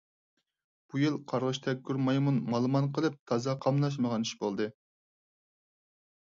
بۇ يىل قارغىش تەگكۈر مايمۇن مالىمان قىلىپ تازا قاملاشمىغان ئىش بولدى.